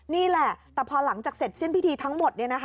นี่แหละแต่พอหลังจากเสร็จสิ้นพิธีทั้งหมด